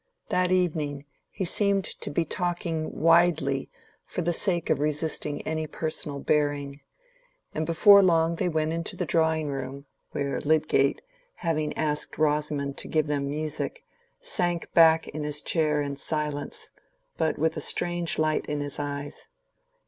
That evening he seemed to be talking widely for the sake of resisting any personal bearing; and before long they went into the drawing room, where Lydgate, having asked Rosamond to give them music, sank back in his chair in silence, but with a strange light in his eyes.